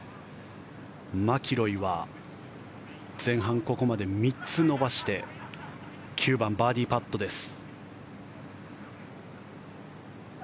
マキロイは前半、ここまで３つ伸ばして９番、バーディーパットです。